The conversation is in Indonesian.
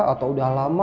atau sudah lama